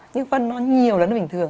nhưng phân nó nhiều hơn bình thường